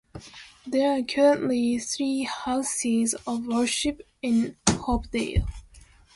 There are currently three houses of worship in Hopedale.